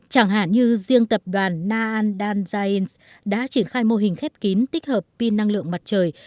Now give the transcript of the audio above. chẳng hạn như riêng tập đoàn na an dan zyens đã triển khai mô hình khép kín tích hợp pin năng lượng mặt trời